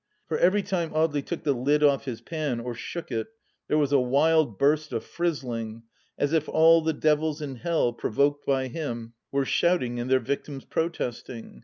For every time Audely took the lid off his pan or shook it there was a wild burst of frizzling, as if all the devils m Hell, provoked by him, were shouting and their_ victims protesting